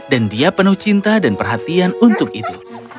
dan dia penuh cinta dan perhatian untuk itu